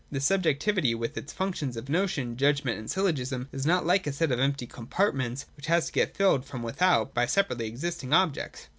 This subjectivity, with its functions of notion, judgment, and syllogism, is not like a set of empty compart ments which has to get filled from without by separately existing objects.